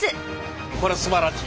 これはすばらしい。